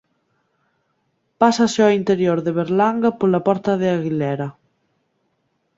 Pásase ao interior de Berlanga pola porta de Aguilera.